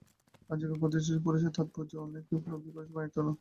প্রাচীনকালে প্রত্যাদিষ্ট পুরুষের তাৎপর্য অনেকে উপলব্ধি করিতে পারিত না।